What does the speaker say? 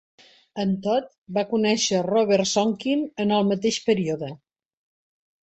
En Todd va conèixer Robert Sonkin en el mateix període.